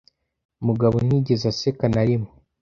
Mugabo ntiyigeze aseka na rimwe